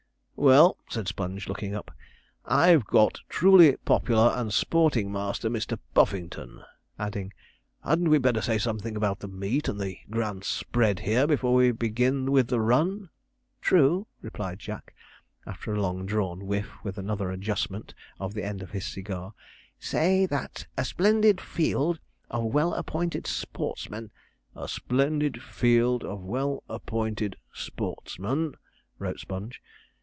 'Well,' said Sponge, looking up, 'I've got "truly popular and sporting master, Mr. Puffington,"' adding, 'hadn't we better say something about the meet and the grand spread here before we begin with the run?' 'True,' replied Jack, after a long drawn whiff and another adjustment of the end of his cigar; 'say that "a splendid field of well appointed sportsmen" ' 'A splendid field of well appointed sportsmen,' wrote Sponge.